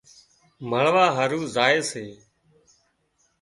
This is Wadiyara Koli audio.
مۯوا هارو زائي سي